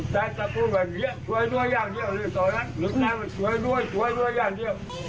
เสียใจ